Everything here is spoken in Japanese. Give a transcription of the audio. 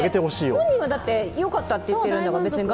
本人はよかったって言ってるんだから。